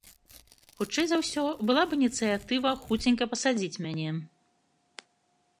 Хутчэй за ўсё, была б ініцыятыва хуценька пасадзіць мяне.